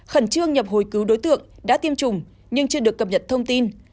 khẩn trương nhập hồi cứu đối tượng đã tiêm chủng nhưng chưa được cập nhật thông tin